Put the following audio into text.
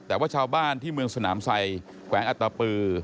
แต่ว่าชาวบ้านที่เมืองสนามไซแขวงอัตตปือ